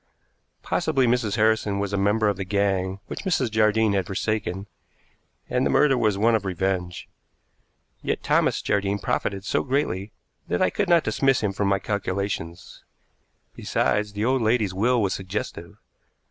Possibly Mrs. Harrison was a member of the gang which Mrs. Jardine had forsaken, and the murder was one of revenge; yet Thomas Jardine profited so greatly that I could not dismiss him from my calculations. Besides, the old lady's will was suggestive.